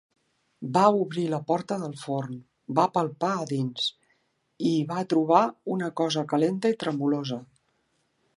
Va obrir la porta del forn, va palpar a dins, i hi va trobar una cosa calenta i tremolosa.